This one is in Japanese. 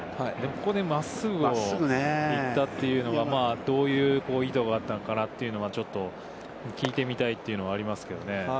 ここで真っすぐを行ったというのが、どういう意図があったのかなというのが、ちょっと聞いてみたいというのはありますけどね。